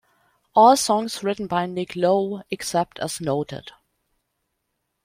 All songs written by Nick Lowe except as noted.